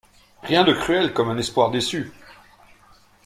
Rien de cruel comme un espoir déçu!